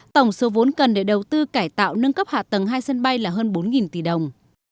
tổng số vốn cần để đầu tư cải tạo nâng cấp hạ tầng hai sân bay là hơn bốn tỷ đồng